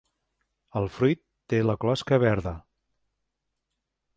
El fruit té la closca verda.